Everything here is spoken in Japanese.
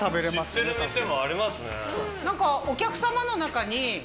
知ってる店もありますね。